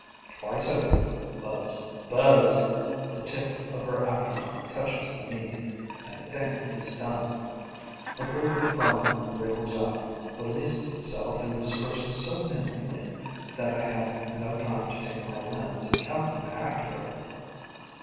Twice over buzz! Buzz! the tip of her abdomen touches the meat; and the thing is done: a group of vermin wriggles out, releases itself and disperses so nimbly that I have no time to take my lens and count then accurately.